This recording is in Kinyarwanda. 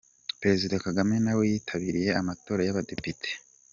Perezida Kagame nawe yitabiriye amatora y’abadepite.